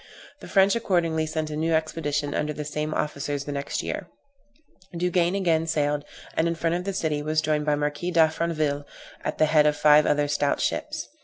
The French accordingly sent a new expedition under the same officers the next year. Duguesne again sailed, and in front of the city was joined by the Marquis D'Affranville, at the head of five other stout ships.